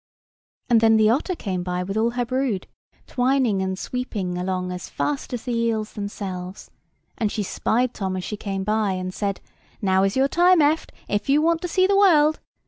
And then the otter came by with all her brood, twining and sweeping along as fast as the eels themselves; and she spied Tom as she came by, and said "Now is your time, eft, if you want to see the world.